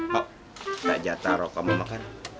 kok nggak jatah rokok mau makan